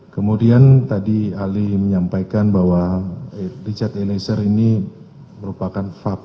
kemudian tadi ali menyampaikan bahwa richard eliezer ini merupakan fab